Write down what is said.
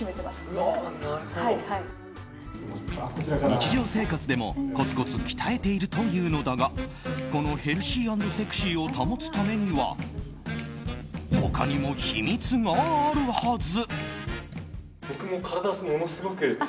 日常生活でもコツコツ鍛えているというのだがこのヘルシー＆セクシーを保つためには他にも秘密があるはず。